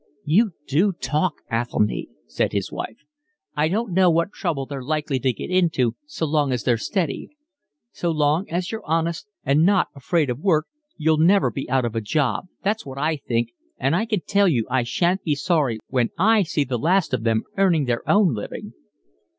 "You do talk, Athelny," said his wife. "I don't know what trouble they're likely to get into so long as they're steady. So long as you're honest and not afraid of work you'll never be out of a job, that's what I think, and I can tell you I shan't be sorry when I see the last of them earning their own living."